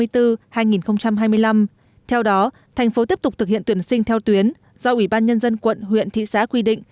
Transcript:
theo đó thành phố tiếp tục thực hiện tuyển sinh theo tuyến do ủy ban nhân dân quận huyện thị xã quy định